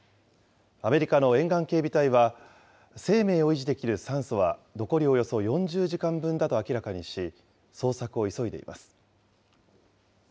アメリカの沿岸警備隊は、生命を維持できる酸素は残りおよそ４０時間分だと明らかにし、捜索を急いでいます。